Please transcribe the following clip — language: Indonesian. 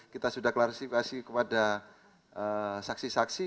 kita sudah klarifikasi kepada saksi saksi